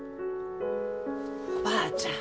おばあちゃん